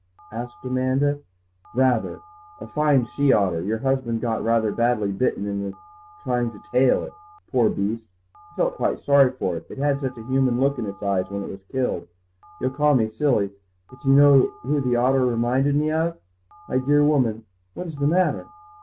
asked Amanda. "Rather. A fine she otter. Your husband got rather badly bitten in trying to 'tail it.' Poor beast, I felt quite sorry for it, it had such a human look in its eyes when it was killed. You'll call me silly, but do you know who the look reminded me of? My dear woman, what is the matter?"